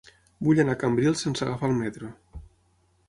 Vull anar a Cambrils sense agafar el metro.